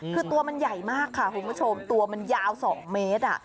คือตัวมันใหญ่มากค่ะคุณผู้ชมตัวมันยาว๒เมตร